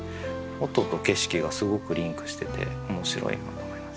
音と景色がすごくリンクしてて面白いなと思いました。